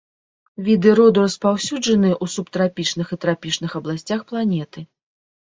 Віды роду распаўсюджаныя ў субтрапічных і трапічных абласцях планеты.